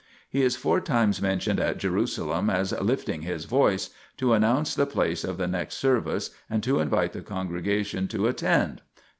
He is four times mentioned at Jerusalem as " lifting his voice " to announce the place of the next service and to invite the congregation to attend (pp.